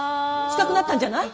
近くなったんじゃない。